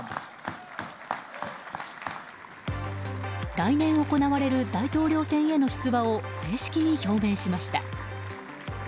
来年行われる大統領選への出馬を正式に表明しました。